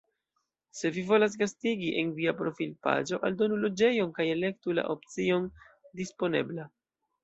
Se vi volas gastigi, en via profilpaĝo aldonu loĝejon kaj elektu la opcion "Disponebla".